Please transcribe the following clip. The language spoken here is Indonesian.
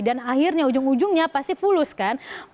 dan akhirnya ujung ujungnya pasti fulus kan